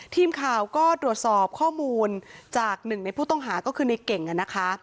ทีมข่าวก็ตรวจสอบข้อมูลจากหนึ่งในผู้ต้องหาก็คือในเก่งนะคะ